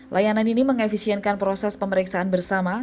layanan ini mengefisienkan proses pemeriksaan bersama